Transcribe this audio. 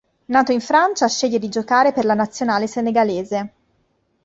Nato in Francia, sceglie di giocare per la nazionale senegalese.